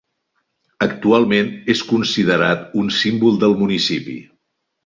Actualment és considerat un símbol del municipi.